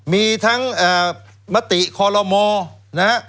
มีทั้งมติคอลโลมนะครับ